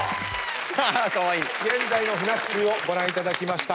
現在のふなっしーをご覧いただきました。